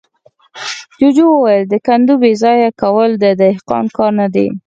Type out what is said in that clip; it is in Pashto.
جوجو وويل: د کندو بېځايه کول د دهقان کار نه دی.